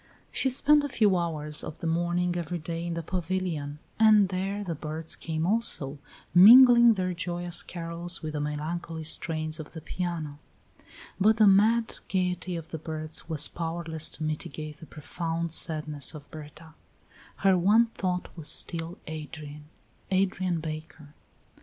She spent a few hours of the morning, every day, in the pavilion, and there the birds came also, mingling their joyous carols with the melancholy strains of the piano; but the mad gayety of the birds was powerless to mitigate the profound sadness of Berta; her one thought was still Adrian Adrian Baker.